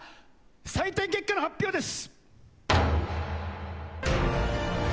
採点結果の発表です！